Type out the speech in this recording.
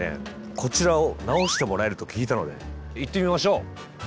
こちらを直してもらえると聞いたので行ってみましょう！